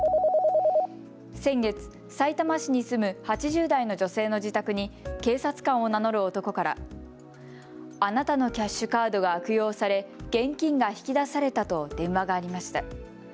先月、さいたま市に住む８０代の女性の自宅に警察官を名乗る男からあなたのキャッシュカードが悪用され現金が引き出されたと電話がありました。